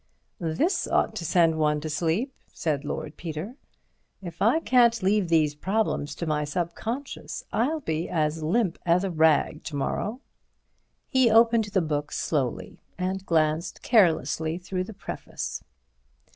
"This ought to send one to sleep," said Lord Peter; "if I can't leave these problems to my subconscious I'll be as limp as a rag to morrow." He opened the book slowly, and glanced carelessly through the preface.